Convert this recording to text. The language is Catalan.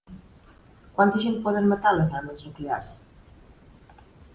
Quanta gent poden matar les armes nuclears?